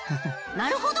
なるほど！